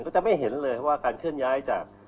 ก็จะไม่เห็นเลยว่าการเคลื่อนย้ายจาก